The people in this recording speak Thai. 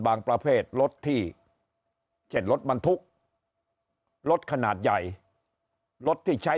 ประเภทรถที่เช่นรถบรรทุกรถขนาดใหญ่รถที่ใช้